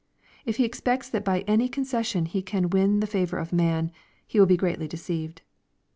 If he expects that by any concession he can win the favor of man, he will be greatly deceived.